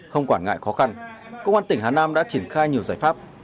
không quản ngại khó khăn công an tỉnh hà nam đã triển khai nhiều giải pháp